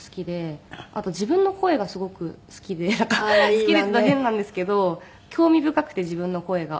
「好きで」って言ったら変なんですけど興味深くて自分の声が。